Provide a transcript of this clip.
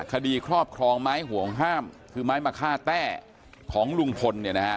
คดีครอบครองไม้ห่วงห้ามคือไม้มะคาแต้ของลุงพล